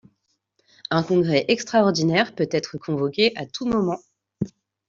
Un congrès extraordinaire peut être convoqué à tout moment.